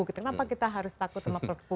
kenapa kita harus takut sama perpu